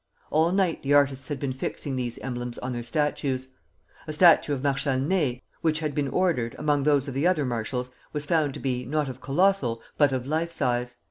All night the artists had been fixing these emblems on their statues. A statue of Marshal Ney, which had been ordered among those of the other marshals, was found to be, not of colossal, but of life size.